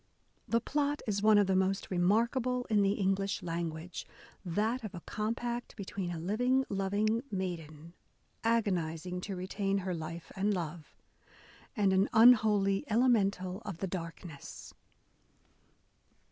The plot is one of the most A DAY WITH E. B. BROWNING remarkable in the English language : that of a compact between a living, loving maiden, agonising to retain her life and love — and an unholy Elemental of the Darkness.